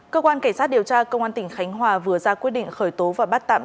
cơ quan cảnh sát điều tra công an tỉnh khánh hòa vừa ra quyết định khởi tố và bắt tạm